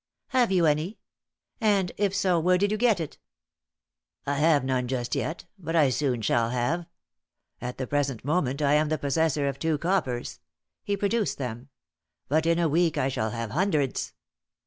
"Have you any? And, if so, where did you get it?" "I have none just yet, but I soon shall have. At the present moment I am the possessor of two coppers" he produced them. "But in a week I shall have hundreds."